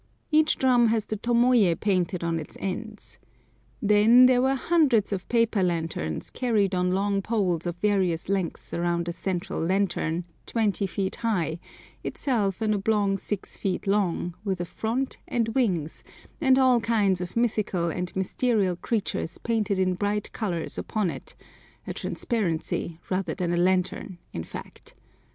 Each drum has the tomoyé painted on its ends. Then there were hundreds of paper lanterns carried on long poles of various lengths round a central lantern, 20 feet high, itself an oblong 6 feet long, with a front and wings, and all kinds of mythical and mystical creatures painted in bright colours upon it—a transparency rather than a lantern, in fact.